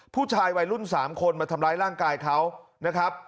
ผู้ชายวัยรุ่น๓คนมาทำร้ายร่างกายเขานะครับ